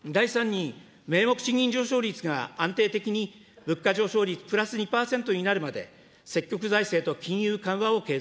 第３に名目賃金上昇率が安定的に物価上昇率２％になるまで、積極財政と金融緩和を継続。